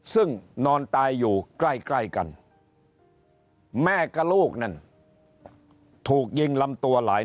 ซึ่งนอนตายอยู่ใกล้กันแม่กับลูกนั่นถูกยิงลำตัวหลาย